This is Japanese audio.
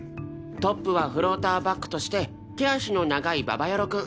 トップはフローターバックとして手足の長いババヤロくん。